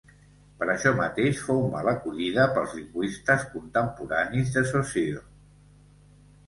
Per això mateix fou mal acollida pels lingüistes contemporanis de Saussure.